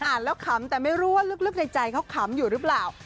อ่านแล้วขำแต่ไม่รู้ว่าลึกในใจเขาขำอยู่หรือเปล่า